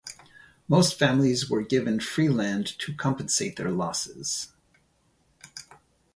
Most families were given free land to compensate their losses.